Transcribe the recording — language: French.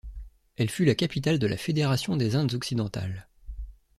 Elle fut la capitale de la Fédération des Indes occidentales.